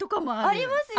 ありますよね。